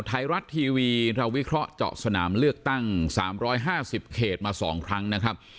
ไทยรัฐทีวีเราวิเคราะห์เจาะสนามเลือกตั้ง๓๕๐เขตมา๒ครั้งนะครับ